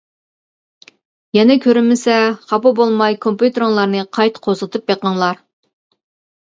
يەنە كۆرۈنمىسە خاپا بولماي كومپيۇتېرىڭلارنى قايتا قوزغىتىپ بېقىڭلار.